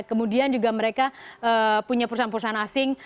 kemudian juga mereka punya perusahaan perusahaan asing